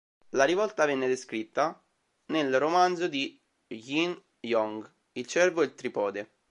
La rivolta venne descritta nel romanzo di Jin Yong, "Il cervo e il tripode".